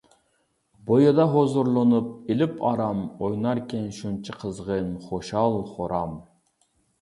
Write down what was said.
بويىدا ھۇزۇرلىنىپ ئېلىپ ئارام، ئويناركەن شۇنچە قىزغىن، خۇشال-خۇرام.